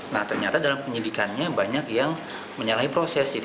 nah ternyata dalam penyidikannya banyak yang menyalahi proses